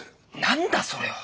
何だそれは。